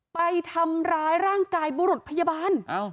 ไปทำร้ายร่างกายบุรุษพยาบาล